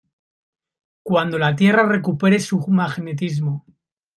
cuando la Tierra recupere su magnetismo,